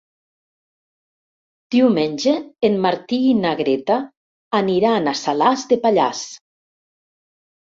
Diumenge en Martí i na Greta aniran a Salàs de Pallars.